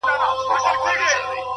• پښتنو ته هم راغلی جادوګر وو,